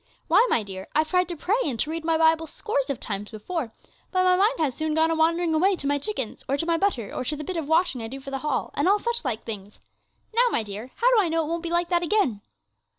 Why, my dear, I've tried to pray and to read my Bible scores of times before, but my mind has soon gone a wandering away to my chickens, or to my butter or to the bit of washing I do for the Hall, and all such like things. Now, my dear, how do I know it won't be like that again?'